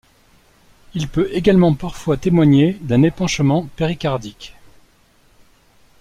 Il peut également parfois témoigner d'un épanchement péricardique.